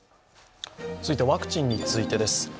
続いてはワクチンについてです。